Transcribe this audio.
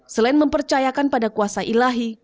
selain mempercayakan pada kuasa ilahi